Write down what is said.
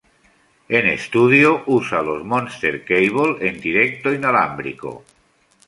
En estudio usa los Monster Cable, en directo inalámbrico.